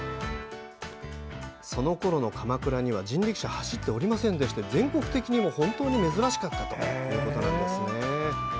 そのころの鎌倉には人力車は走っておりませんで全国的にも本当に珍しかったということなんです。